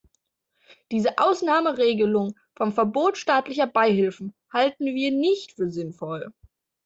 Diese Ausnahmeregelung vom Verbot staatlicher Beihilfen halten wir nicht für sinnvoll.